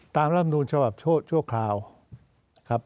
ตามลำนูลชะบับชั่วคราวครับ